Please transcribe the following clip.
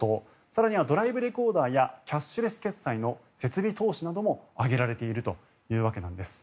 更にはドライブレコーダーやキャッシュレス決済の設備投資なども挙げられているというわけなんです。